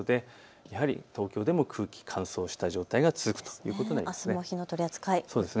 東京でも空気が乾燥した状態が続くということになります。